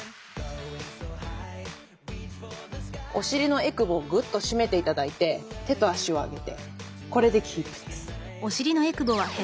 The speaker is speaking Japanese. お尻のえくぼをグッと締めて頂いて手と足を上げてこれでキープです。